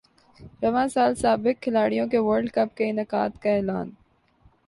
رواں سال سابق کھلاڑیوں کے ورلڈ کپ کے انعقاد کا اعلان